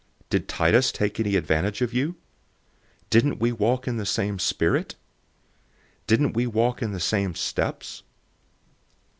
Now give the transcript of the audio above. Did Titus take any advantage of you? Didn't we walk in the same spirit? Didn't we walk in the same steps?